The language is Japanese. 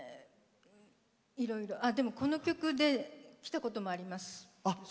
いろいろでも、この曲で来たこともあります。